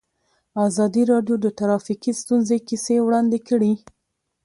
ازادي راډیو د ټرافیکي ستونزې کیسې وړاندې کړي.